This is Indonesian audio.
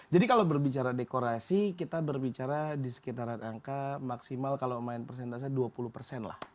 jadi kalau berbicara dekorasi kita berbicara di sekitaran angka maksimal kalau main persentasenya dua puluh persen lah